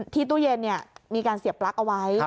ตู้เย็นมีการเสียบปลั๊กเอาไว้